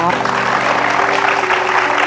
หาทีวีไปซ่อมขายเอามาขาย